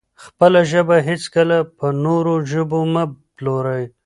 خپله ژبه هېڅکله په نورو ژبو مه پلورئ.